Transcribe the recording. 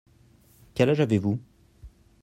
Quel âge avez-vous.